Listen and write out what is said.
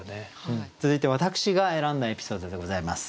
続いて私が選んだエピソードでございます。